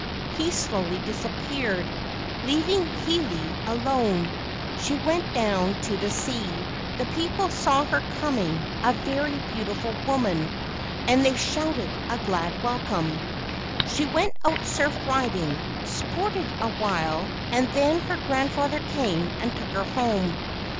He slowly disappeared, leaving Hiilei alone. She went down to the sea. The people saw her coming, a very beautiful woman, and they shouted a glad welcome. She went out surf riding, sported awhile, and then her grandfather came and took her home.